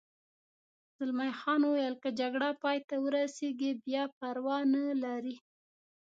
زلمی خان وویل: که جګړه پای ته ورسېږي بیا پروا نه لري.